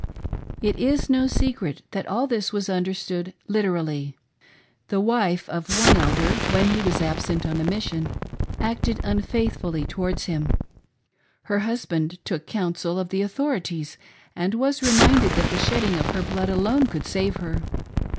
It is no secret that all this was understood /zV^ns//;'. The wife of one Elder, when he was absent on a mission, acted unf aithr fully towards him. Her husband took counsel of the authori ties, and was reminded that the shedding of her blood alone could save her.